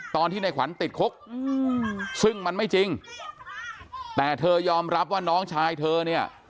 ตอนที่ในขวัญติดคุกซึ่งมันไม่จริงแต่เธอยอมรับว่าน้องชายเธอเนี่ย